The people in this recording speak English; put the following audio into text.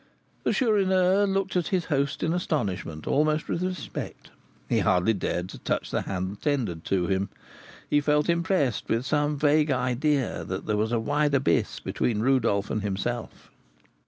The Chourineur looked at his host in astonishment, almost with respect; he hardly dared to touch the hand tendered to him. He felt impressed with some vague idea that there was a wide abyss between Rodolph and himself.